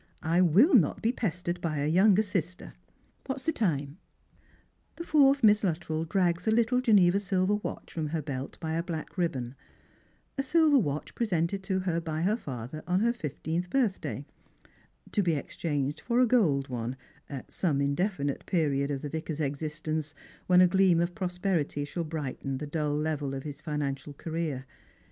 I will not be pestered by a younger sister. What's the time?" The fourth Miss Luttrell drags a little Geneva silver watch from her belt by a black ribbon — a silver watch presented to her by her father on her fifteenth birthday — to be exchanged for a gold one at some indefinite period of the Vicar's existence, when a gleam of prosperity shall brighten the dull level of his finan cial career.